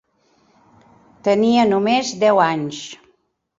Tenia només deu anys.